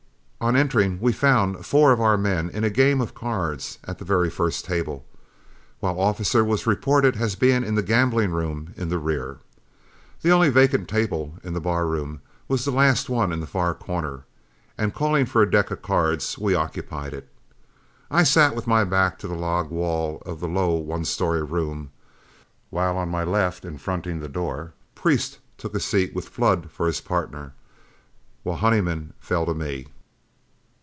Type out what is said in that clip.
On entering we found four of our men in a game of cards at the very first table, while Officer was reported as being in the gambling room in the rear. The only vacant table in the bar room was the last one in the far corner, and calling for a deck of cards, we occupied it. I sat with my back to the log wall of the low one story room, while on my left and fronting the door, Priest took a seat with Flood for his pardner, while Honeyman fell to me.